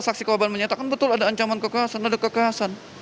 saksi korban menyatakan betul ada ancaman kekasan ada kekasan